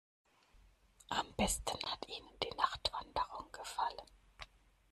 Am besten hat ihnen die Nachtwanderung gefallen.